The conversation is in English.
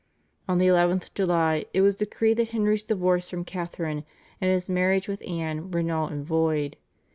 On the 11th July it was decreed that Henry's divorce from Catharine and his marriage with Anne were null and void.